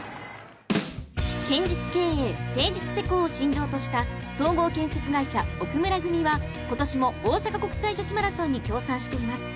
堅実経営、誠実施工を信条とした総合建設会社・奥村組は今年も大阪国際女子マラソンに協賛しています。